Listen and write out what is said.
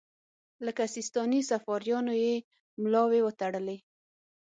لکه سیستاني صفاریانو یې ملاوې وتړلې.